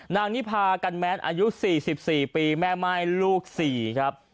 นางนิพากันแมทอายุ๔๔ปีแม่ไม่ลูก๔ครับ